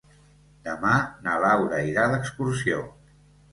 Demà na Laura irà d'excursió.